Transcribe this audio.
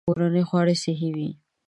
کورني خواړه صحي وي.